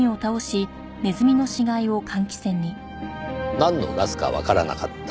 なんのガスかわからなかった。